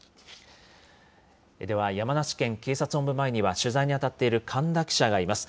では、山梨県警察本部前には、取材に当たっている神田記者がいます。